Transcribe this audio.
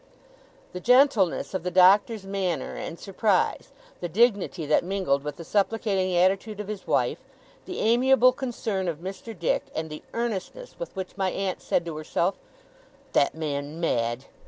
The gentleness of the Doctor's manner and surprise, the dignity that mingled with the supplicating attitude of his wife, the amiable concern of Mr. Dick, and the earnestness with which my aunt said to herself, 'That man mad!